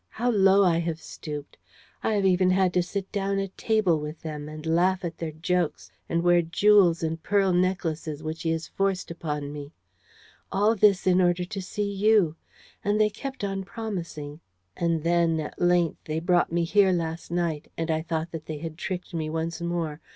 How low I have stooped! I have even had to sit down to table with them and laugh at their jokes and wear jewels and pearl necklaces which he has forced upon me. All this in order to see you! ... And they kept on promising. And then, at length, they brought me here last night and I thought that they had tricked me once more